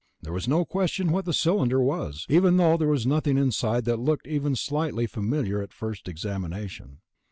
There was no question what the cylinder was, even though there was nothing inside that looked even slightly familiar at first examination.